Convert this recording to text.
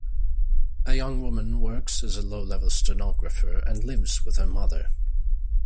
A young woman works as a low-level stenographer and lives with her mother.